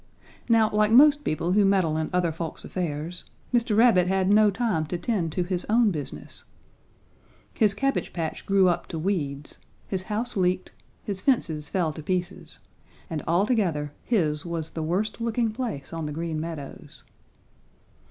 "Now, like most people who meddle in other folks' affairs, Mr. Rabbit had no time to tend to his own business. His cabbage patch grew up to weeds. His house leaked, his fences fell to pieces, and altogether his was the worst looking place on the Green Meadows.